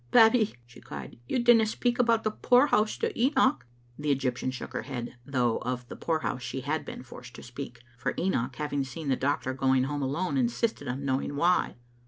"Babbie," she cried, "you didna speak about the poorhouse to Enoch?" The Egyptian shook her head, though of the poor* house she had been forced to speak, for Enoch, having seen the doctor going home alone, insisted on knowing why.